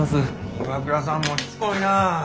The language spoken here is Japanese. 岩倉さんもしつこいなぁ。